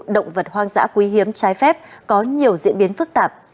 động vật hoang dã quý hiếm trái phép có nhiều diễn biến phức tạp